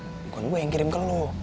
bukan gue yang kirim ke lo